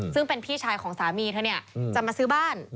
ซึ่งเป็นพี่ชายของสามีเธอเนี่ยจะมาซื้อบ้าน